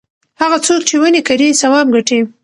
هغه څوک چې ونې کري ثواب ګټي.